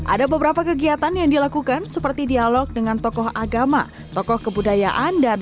ada beberapa kegiatan yang dilakukan seperti dialog dengan tokoh agama tokoh kebudayaan dan